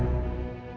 oh ya dulu